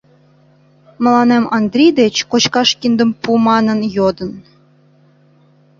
Маланем Андри деч «кочкаш киндым пу» манын йодын.